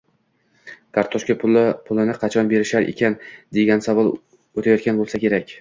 “kartoshka pulini qachon berishar ekan-a” degan savol o‘tayotgan bo‘lsa kerak.